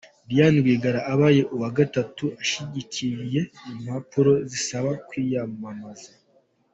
Diane Rwigara abaye uwa gatatu ushyikirije impapuro zisaba kwiyamamaza.